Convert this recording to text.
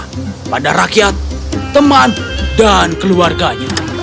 kau akan berhati hatilah dengan rakyat teman dan keluarganya